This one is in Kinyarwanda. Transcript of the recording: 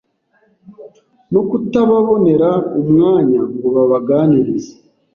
no kutababonera umwanya ngo babaganirize